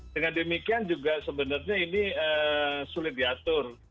dengan demikian juga sebenarnya ini sulit diatur